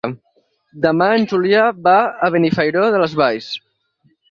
Demà en Julià va a Benifairó de les Valls.